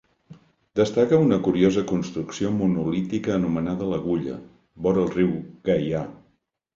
Destaca una curiosa construcció monolítica anomenada l'Agulla, vora el riu Gaià.